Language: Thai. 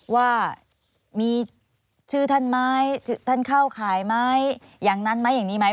ว่ามีชื่อท่านไหมท่านเข้าข่ายไหมอย่างนั้นไหมอย่างนี้ไหม